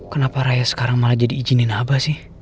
kenapa raya sekarang malah jadi izinin apa sih